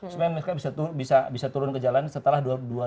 supaya mereka bisa turun ke jalan setelah dua puluh dua dua puluh tiga dua puluh empat